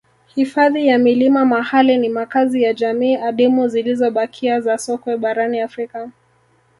Hifadhi ya milima Mahale ni makazi ya jamii adimu zilizobakia za sokwe barani Afrika